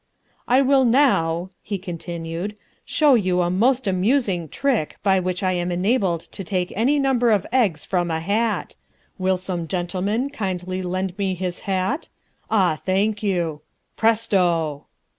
"I will now," he continued, "show you a most amusing trick by which I am enabled to take any number of eggs from a hat. Will some gentleman kindly lend me his hat? Ah, thank you Presto!"